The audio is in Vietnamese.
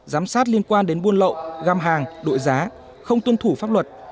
giám sát liên quan đến buôn lậu gam hàng đội giá không tuân thủ pháp luật